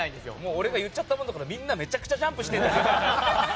俺が言っちゃったもんだからみんなめちゃくちゃジャンプしてる。